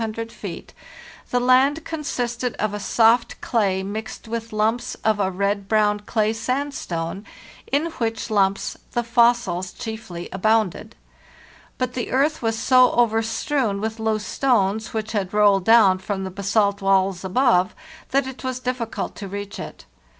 Se about 500 or 600 feet the land consisted of a soft clay mixed with lumps of a red brown clay sandstone, in which lumps the fossils chiefly abounded. But the earth was so overstrewn with loose stones, which had rolled down from the basalt walls above, that it was difficult to reach it.